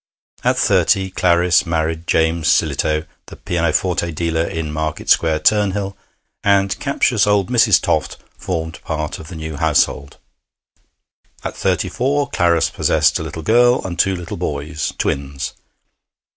At thirty Clarice married James Sillitoe, the pianoforte dealer in Market Square, Turnhill, and captious old Mrs. Toft formed part of the new household. At thirty four Clarice possessed a little girl and two little boys, twins.